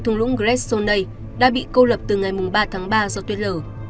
thùng lũng greszonei đã bị câu lập từ ngày ba tháng ba do tuyết lở